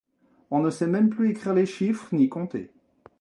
On ne sait même plus écrire les chiffres, ni compter.